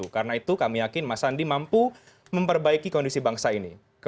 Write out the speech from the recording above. karena itu kami yakin mas andi mampu memperbaiki kondisi bangsa ini